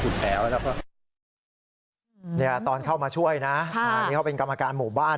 ตอนเข้ามาช่วยนะนี่เขาเป็นกรรมการหมู่บ้าน